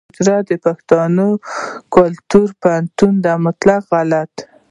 حجره د پښتنو کلتوري پوهنتون دی.